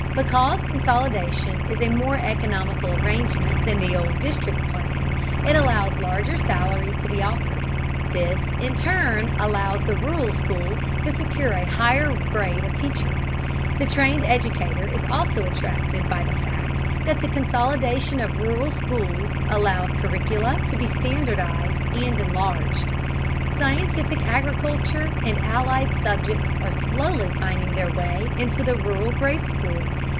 Because consolidation is a more economical arrangement than the old district plan, it allows larger salaries to be offered. This in turn allows the rural school to secure a higher grade of teacher. The trained educator is also attracted by the fact that the consolidation of rural schools allows curricula to be standardized and enlarged. Scientific agriculture and allied subjects are slowly finding their way into the rural grade school.